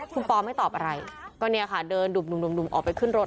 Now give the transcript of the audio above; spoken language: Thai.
คุณปอไม่ตอบอะไรก็เนี่ยค่ะเดินดุ่มออกไปขึ้นรถ